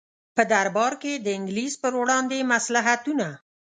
په دربار کې د انګلیس پر وړاندې مصلحتونه.